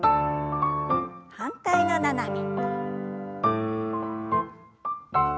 反対の斜め。